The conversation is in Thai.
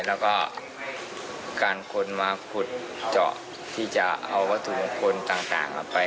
แล้วก็การคนมาขุดเจาะที่จะเอาวัตถุมงคลต่างไป